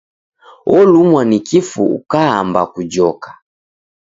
Olumwa ni kifu ukaamba kujoka!